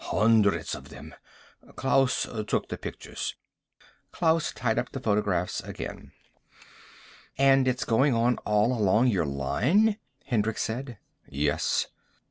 Hundreds of them. Klaus took the pictures." Klaus tied up the photographs again. "And it's going on all along your line?" Hendricks said. "Yes."